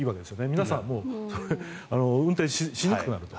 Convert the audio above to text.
皆さん運転しにくくなると。